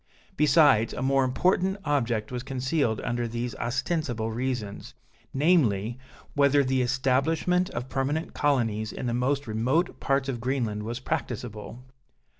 Besides, a more important object was concealed under these ostensible reasons, namely, whether the establishment of permanent colonies in the most remote parts of Greenland was practicable.